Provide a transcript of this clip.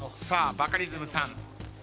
さあバカリズムさん。